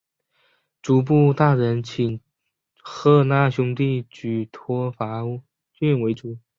诸部大人请贺讷兄弟举拓跋圭为主。